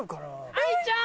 愛ちゃん！